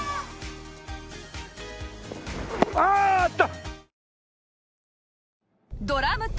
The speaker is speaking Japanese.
あーっと！